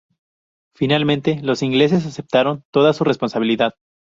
Finalmente, los ingleses aceptaron toda su responsabilidad.